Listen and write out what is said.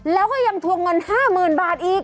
แล้วก็ยังทวงเงิน๕๐๐๐บาทอีก